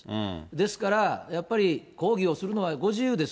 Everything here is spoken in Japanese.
ですから、やっぱり抗議をするのはご自由です。